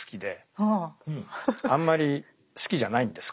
あんまり好きじゃないんです